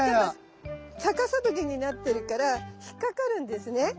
ちょっと逆さトゲになってるから引っ掛かるんですね。